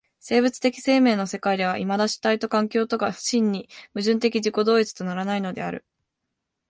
生物的生命の世界ではいまだ主体と環境とが真に矛盾的自己同一とならないのである。